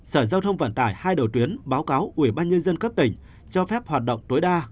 sở giao thông vận tải hai đầu tuyến báo cáo ubnd cấp tỉnh cho phép hoạt động tối đa